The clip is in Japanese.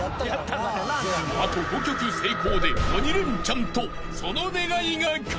［あと５曲成功で鬼レンチャンとその願いがかなう］